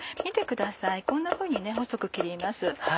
見てくださいこんなふうに細く切ります。